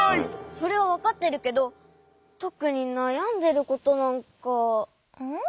それはわかってるけどとくになやんでることなんか。